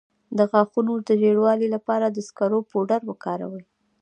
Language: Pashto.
د غاښونو د ژیړوالي لپاره د سکرو پوډر وکاروئ